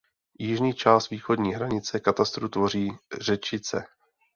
Jižní část východní hranice katastru tvoří Řečice.